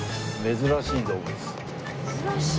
珍しい動物？